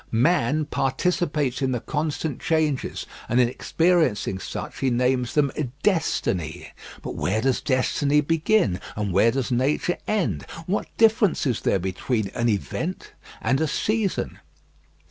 Man participates in the constant changes, and in experiencing such he names them Destiny. But where does destiny begin? And where does nature end? What difference is there between an event and a season?